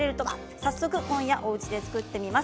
早速、今夜おうちで作ってみます。